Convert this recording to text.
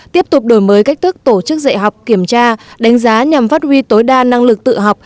tiếp tục đổi mới cách thức tổ chức dạy học kiểm tra đánh giá nhằm phát huy tối đa năng lực tự học